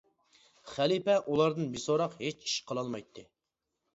خەلىپە ئۇلاردىن بىسوراق ھېچ ئىش قىلالمايتتى.